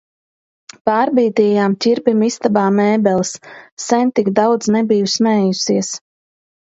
Pārbīdījām Ķirbim istabā mēbeles, sen tik daudz nebiju smējusies.